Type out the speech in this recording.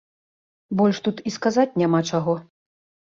Больш тут і сказаць няма чаго.